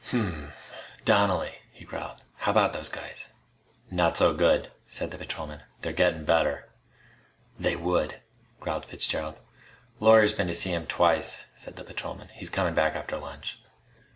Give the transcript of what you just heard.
"Hm m m. Donnelly," he growled. "How about those guys?" "Not so good," said the patrolman. "They're gettin' better." "They would," growled Fitzgerald. "A lawyer's been to see 'em twice," said the patrolman. "He's comin' back after lunch."